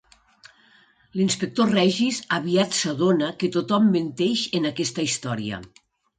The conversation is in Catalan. L'inspector Regis aviat s'adona que tothom menteix en aquesta història.